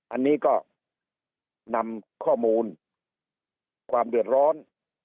อันนี้ก็นำข้อมูลความเดือดร้อน